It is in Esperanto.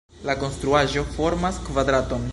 La konstruaĵo formas kvadraton.